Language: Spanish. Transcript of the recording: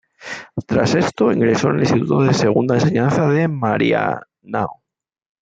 Tras esto, ingresó en el Instituto de Segunda Enseñanza de Marianao.